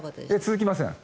続きません。